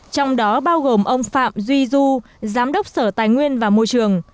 trong đó bao gồm ông phạm duy du giám đốc sở tài nguyên và môi trường